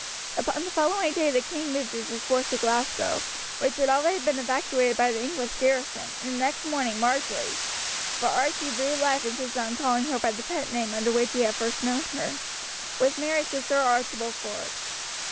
Upon the following day the king moved with his force to Glasgow, which had already been evacuated by the English garrison, and the next morning Marjory for Archie through life insisted upon calling her by the pet name under which he had first known her was married to Sir Archibald Forbes.